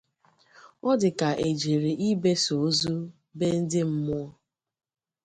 ọ dị ka e jere ibesu ozu be ndị mmụọ.